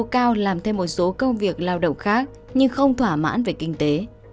cao làm thêm một số công việc lao động khác nhưng không thỏa mãn về kinh tế